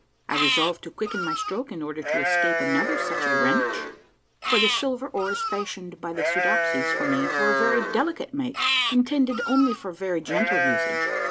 I re solved to quicken my stroke in order to escape another such a wrench, for the silver oars fashioned by the Soodopsies for me were of very delicate make, intended only for very gentle usage.